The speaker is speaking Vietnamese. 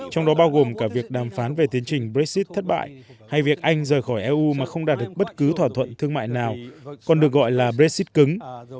trong đó bao gồm cả việc đàm phán về tiến trình brexit thất bại hay việc anh rời khỏi eu mà không đạt được bất cứ thỏa thuận thương mại nào còn được gọi là brexit cứng